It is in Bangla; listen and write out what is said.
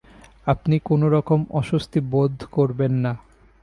আপনি কোনো রকম অস্বস্তি বোধ করবেন না।